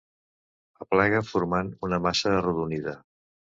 Aplega formant una massa arrodonida.